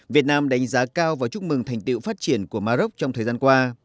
việt nam đánh giá cao và chúc mừng thành tiệu phát triển của maroc trong thời gian qua